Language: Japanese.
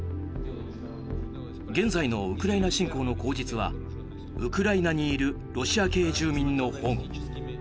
現在のウクライナ侵攻の口実はウクライナにいるロシア系住民の保護。